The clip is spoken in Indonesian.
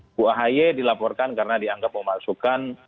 kubu ahy dilaporkan karena dianggap memasukkan